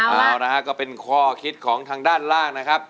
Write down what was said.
เอานะฮะก็เป็นข้อคิดของทางด้านล่างนะครับ